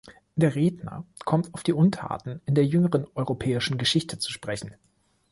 Der Redner kommt auf die "Untaten" in der jüngeren europäischen Geschichte zu sprechen.